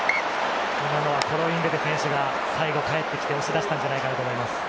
コロインベテ選手が最後かえってきて、押し出したんじゃないかと思います。